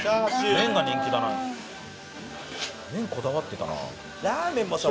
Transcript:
麺こだわってたな。